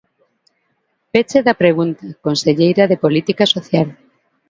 Peche da pregunta, conselleira de Política Social.